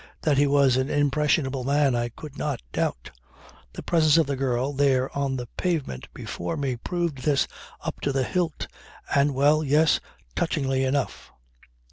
That he was an impressionable man I could not doubt. The presence of the girl there on the pavement before me proved this up to the hilt and, well, yes, touchingly enough.